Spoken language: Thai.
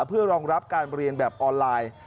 เพื่อรองรับการเรียนแบบออนไลน์